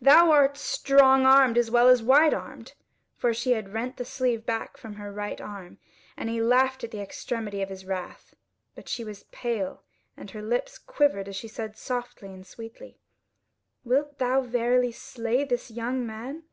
thou art strong armed as well as white armed;" (for she had rent the sleeve back from her right arm) and he laughed in the extremity of his wrath. But she was pale and her lips quivered as she said softly and sweetly: "Wilt thou verily slay this young man?"